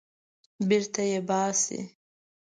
بېرته یې باسي.